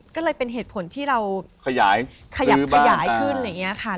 ก็เลยเป็นเหตุผลที่เราขยับขยายขึ้น